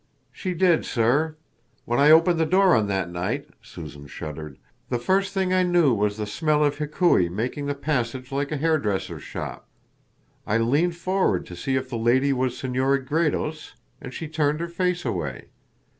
"She did, sir. When I opened the door on that night," Susan shuddered, "the first thing I knew was the smell of Hikui making the passage like a hairdresser's shop. I leaned forward to see if the lady was Senora Gredos, and she turned her face away.